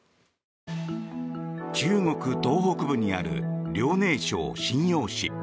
中国東北部にある遼寧省瀋陽市。